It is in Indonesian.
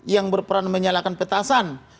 yang berperan menyalakan petasan